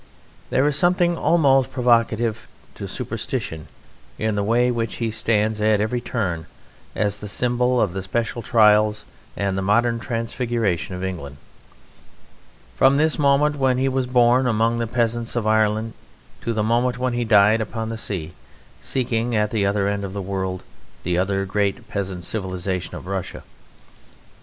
There is something almost provocative to superstition in the way in which he stands at every turn as the symbol of the special trials and the modern transfiguration of England; from this moment when he was born among the peasants of Ireland to the moment when he died upon the sea, seeking at the other end of the world the other great peasant civilisation of Russia.